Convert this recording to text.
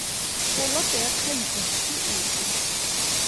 Poloto ya kgang e ke efe?